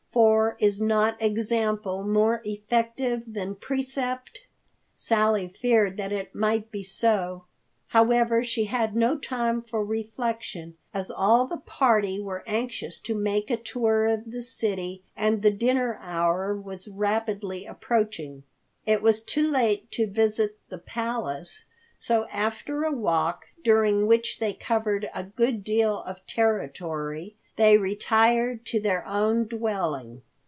For is not example more effective than precept? Sally feared that it might be so. However, she had no time for reflection, as all the party were anxious to make a tour of the city, and the dinner hour was rapidly approaching. It was too late to visit the Palace, so after a walk, during which they covered a good deal of territory, they retired to their own dwelling.